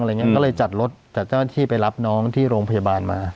อะไรอย่างเงี้ยก็เลยจัดรถจากเจ้าที่ไปรับน้องที่โรงพยาบาลมา